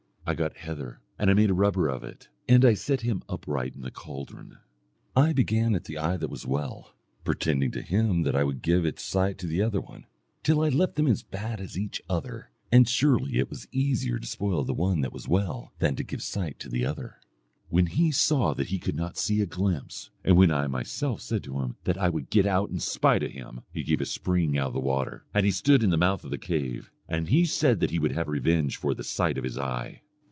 I got heather and I made a rubber of it, and I set him upright in the caldron. I began at the eye that was well, pretending to him that I would give its sight to the other one, till I left them as bad as each other; and surely it was easier to spoil the one that was well than to give sight to the other. [Illustration: There thou art thou pretty buck. Thou seest me but I see thee not.] "When he saw that he could not see a glimpse, and when I myself said to him that I would get out in spite of him, he gave a spring out of the water, and he stood in the mouth of the cave, and he said that he would have revenge for the sight of his eye.